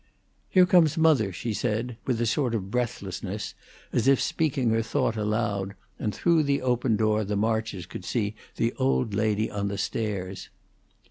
"Here comes mother," she said, with a sort of breathlessness, as if speaking her thought aloud, and through the open door the Marches could see the old lady on the stairs.